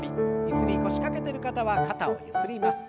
椅子に腰掛けてる方は肩をゆすります。